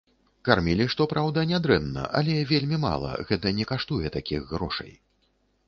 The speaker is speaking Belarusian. Кармілі, што праўда, нядрэнна, але вельмі мала, гэта не каштуе такіх грошай.